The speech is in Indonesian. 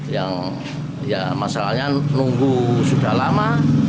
yang ya masalahnya nunggu sudah lama